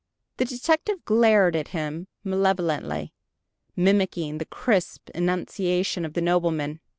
The detective glared at him malevolently, mimicking the crisp enunciation of the nobleman.